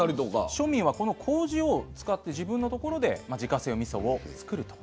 庶民はこのこうじを使って自分のところで自家製みそをつくると。